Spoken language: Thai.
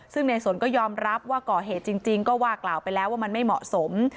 ซึ่งในสนก็ยอมรับว่าก่อเหตุจริงก็ว่ากล่าวไปแล้วว่ามันไม่เหมาะสม